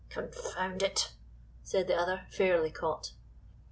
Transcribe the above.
"Confound it," said the other, fairly caught.